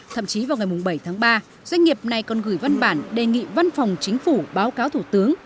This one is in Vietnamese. thậm chí vào ngày bảy tháng ba doanh nghiệp này còn gửi văn bản đề nghị văn phòng chính phủ báo cáo thủ tướng